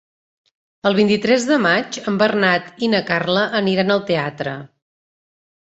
El vint-i-tres de maig en Bernat i na Carla aniran al teatre.